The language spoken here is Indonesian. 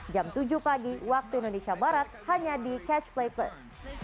jam tujuh pagi waktu indonesia barat hanya di catch play plus